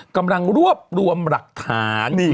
กำลังรวบรวมหลักฐาน